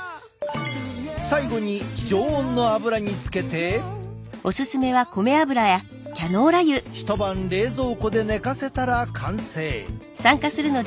最後に常温の油につけて一晩冷蔵庫で寝かせたら完成。